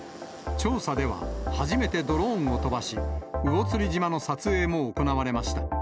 調査では、初めてドローンを飛ばし、魚釣島の撮影も行われました。